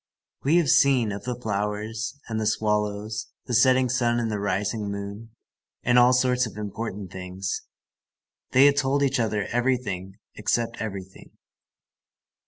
We have seen, of the flowers, and the swallows, the setting sun and the rising moon, and all sorts of important things. They had told each other everything except everything.